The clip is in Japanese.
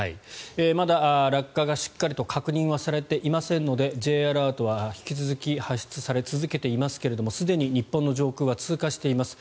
まだ落下がしっかりと確認されていませんのでＪアラートは引き続き発出され続けていますがすでに日本の上空は通過しています。